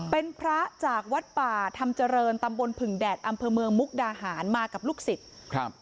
เป็นพระจากวัดป่าธรรมเจริญตำบลผึ่งแดดอำเภอเมืองมุกดาหารมากับลูกศิษย์ครับ